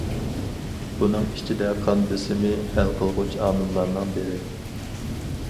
بۇنىڭ ئىچىدە قان بېسىمى ھەل قىلغۇچ ئامىللارنىڭ بىرى.